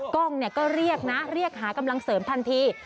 กล้องก็เรียกนะเรียกหากำลังเสริมทันที